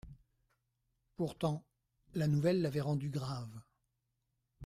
Pourtant, la nouvelle l'avait rendu grave.